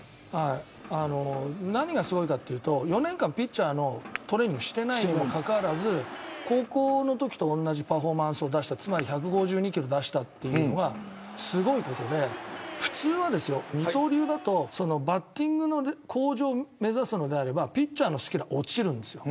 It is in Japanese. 何がすごいかというと４年間ピッチャーのトレーニングしていないのにもかかわらず高校のときと同じパフォーマンスを出したつまり１５２キロを出したというのは、すごいことで普通は二刀流だとバッティングの向上を目指すのであればピッチャーのスキルは落ちるんですよ。